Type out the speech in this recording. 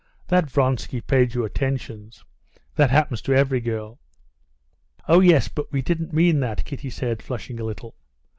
That Vronsky paid you attentions—that happens to every girl." "Oh, yes, but we didn't mean that," Kitty said, flushing a little.